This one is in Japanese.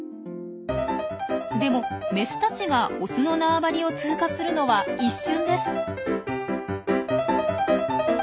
でもメスたちがオスの縄張りを通過するのは一瞬です。